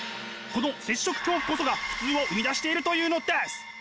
この接触恐怖こそが普通を生み出しているというのです！